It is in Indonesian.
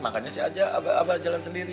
makanya si abah aja jalan sendiri